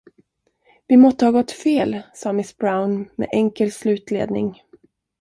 Vi måtte ha gått fel, sade miss Brown med enkel slutledning.